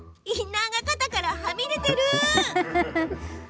インナーが肩からはみ出てる。